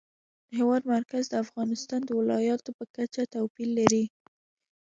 د هېواد مرکز د افغانستان د ولایاتو په کچه توپیر لري.